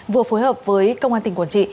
vừa phối hợp với công an tỉnh quản trị